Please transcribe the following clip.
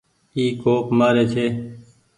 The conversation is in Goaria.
اي ڪوپ مآري ڇي۔